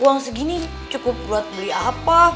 uang segini cukup buat beli apa